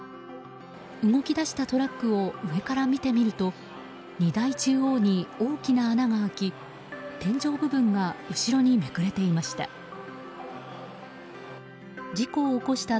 動き出したトラックを上から見てみると荷台中央に大きな穴が開き天井部分が後ろにめくれていました。